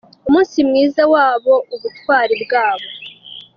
umunsi mwiza wabo, ubutwari bwabo.